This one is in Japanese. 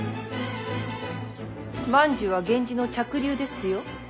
万寿は源氏の嫡流ですよ。